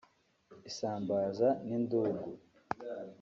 isambaza n’indugu